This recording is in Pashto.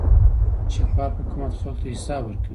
شفاف حکومت خلکو ته حساب ورکوي.